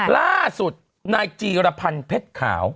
ล่าสุดนายจีรพันธ์เพชรขาว